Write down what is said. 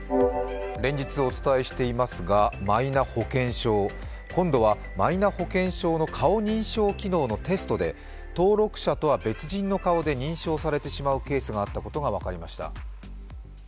連日お伝えしていますがマイナ保険証、今度はマイナ保険証の顔認証機能のテストで登録者とは別人の顔で認証されてしまうケースがあったことが分かりました。